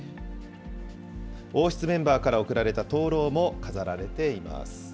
王室メンバーから贈られた灯籠も飾られています。